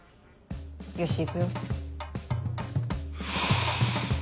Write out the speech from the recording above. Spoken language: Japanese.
よし行くよ。